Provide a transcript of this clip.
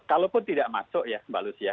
kalaupun tidak masuk ya mbak lucia